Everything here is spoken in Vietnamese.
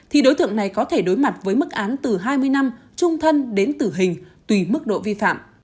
thì đối tượng này có thể đối mặt với mức án từ hai mươi năm trung thân đến tử hình tùy mức độ vi phạm